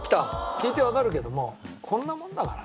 聞いてわかるけどもこんなもんだからね。